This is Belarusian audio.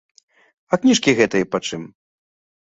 А кніжкі гэтыя пачым?